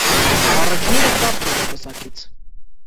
Առէջները կարճ են պսակից։